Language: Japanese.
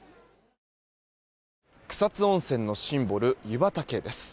草津温泉のシンボル湯畑です。